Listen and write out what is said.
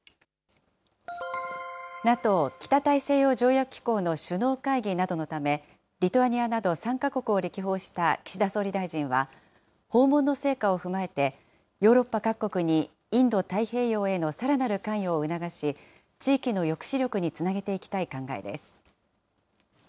ＮＡＴＯ・北大西洋条約機構の首脳会議などのため、リトアニアなど３か国を歴訪した岸田総理大臣は、訪問の成果を踏まえて、ヨーロッパ各国にインド太平洋へのさらなる関与を促し、地域の抑止力につなげていきたい考えです。